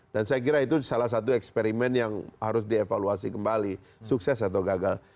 dan saya kira itu salah satu eksperimen yang harus dievaluasi kembali sukses atau gagal